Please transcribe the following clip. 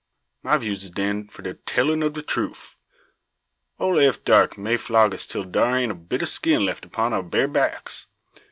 "My views is den, for de tellin' ob de troof. Ole Eph Darke may flog us till dar ain't a bit o' skin left upon our bare backs.